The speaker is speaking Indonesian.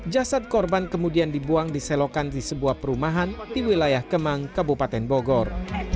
jasad korban kemudian dibuang di selokan di sebuah perumahan di wilayah kemang kabupaten bogor